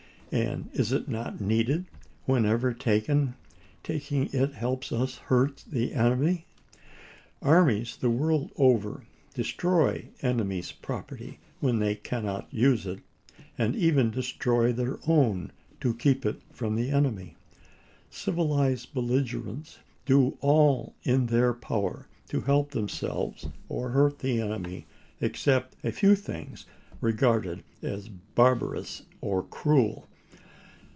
And is it not needed whenever taking it helps us or hurts the enemy ? Armies, the world over, destroy enemies' property when they cannot use it, and even destroy their own to keep it from the enemy. Civilized belligerents do all in their power to help themselves or hurt the enemy, except a few things regarded as barbarous or cruel.